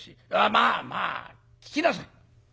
まあまあ聞きなさい。